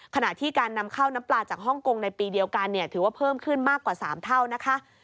ขณะที่การนำเข้าน้ำปลาจากฮ่องกงในปีเดียวกันถือว่าเพิ่มขึ้นมากกว่า๓เท่านะคะ